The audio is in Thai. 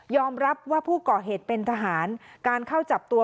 รับว่าผู้ก่อเหตุเป็นทหารการเข้าจับตัว